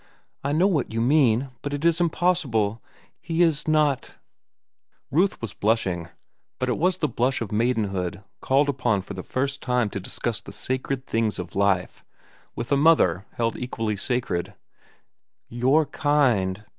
"I know what you mean. But it is impossible. He is not—" Ruth was blushing, but it was the blush of maidenhood called upon for the first time to discuss the sacred things of life with a mother held equally sacred. "Your kind."